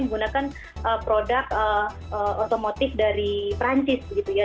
menggunakan produk otomotif dari perancis gitu ya